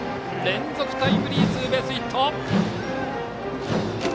連続タイムリーツーベースヒット。